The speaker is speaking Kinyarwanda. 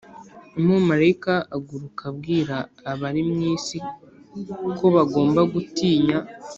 umumarayika aguruka abwira abari mu isi ko bagomba gutinya